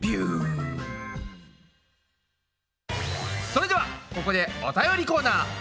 それではここでお便りコーナー。